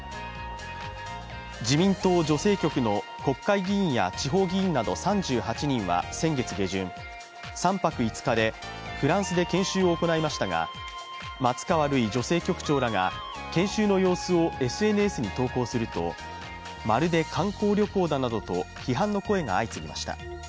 自民党女性局の国会議員や地方議員など３８人は先月下旬、３泊５日で、フランスで研修を行いましたが松川るい女性局長らが研修の様子をＳＮＳに投稿するとまるで観光旅行だなどと批判の声が相次ぎました。